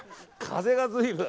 風が随分。